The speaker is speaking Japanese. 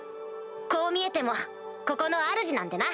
こう見えてもここのあるじなんでな。